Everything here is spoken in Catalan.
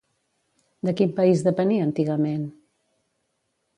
De quin país depenia antigament?